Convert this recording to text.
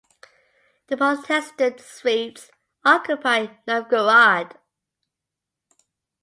The Protestant Swedes occupied Novgorod.